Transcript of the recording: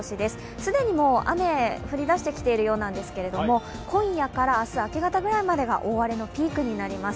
既にもう雨、降りだしてきているようなんですけど今夜から明日、明け方ぐらいまが大荒れのピークになります。